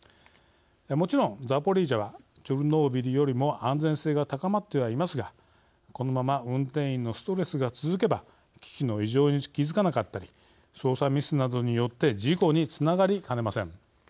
もちろん、ザポリージャはチョルノービリよりも安全性が高まってはいますがこのまま運転員のストレスが続けば機器の異常に気付かなかったり操作ミスなどによって事故につながりかねません。